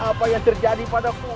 apa yang terjadi padaku